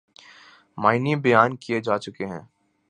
معنی بیان کئے جا چکے ہیں۔